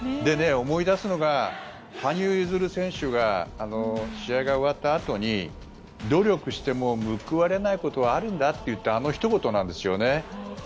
思い出すのが、羽生結弦選手が試合が終わったあとに努力しても報われないことはあるんだって言ったあのひと言なんですよね。